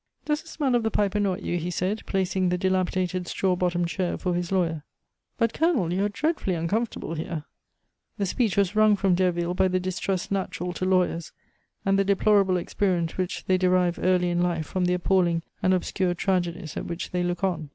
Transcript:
"Does the smell of the pipe annoy you?" he said, placing the dilapidated straw bottomed chair for his lawyer. "But, Colonel, you are dreadfully uncomfortable here!" The speech was wrung from Derville by the distrust natural to lawyers, and the deplorable experience which they derive early in life from the appalling and obscure tragedies at which they look on.